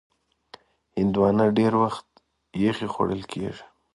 هندوانه ډېر وخت یخې خوړل کېږي.